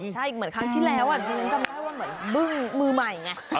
ใช่เหมือนครั้งที่แล้วดิฉันจำได้ว่าเหมือนบึ้งมือใหม่ไง